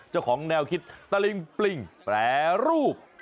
เจ้าของแนวคิดตะลิงปลิงแปรรูป